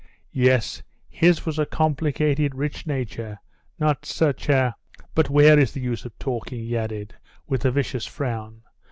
Yes, his was a complicated, rich nature, not such a But where is the use of talking?" he added, with a vicious frown.